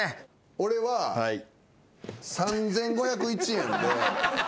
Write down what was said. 俺は３，５０１円で。